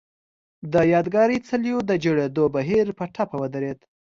د یادګاري څليو د جوړېدو بهیر په ټپه ودرېد.